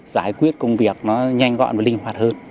giải quyết công việc nó nhanh gọn và linh hoạt hơn